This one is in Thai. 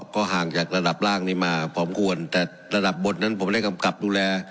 ก็ห่างจากระดับล่างนี้มาพร้อมควรแต่ระดับบทนั้นผมได้กำกับดูแล